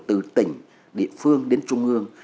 từ tỉnh địa phương đến trung ương